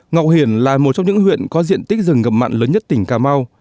ngọc hiển là một trong những huyện có diện tích rừng ngập mặn lớn nhất tỉnh cà mau